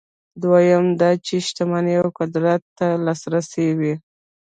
دویم دا چې شتمنۍ او قدرت ته لاسرسی وي.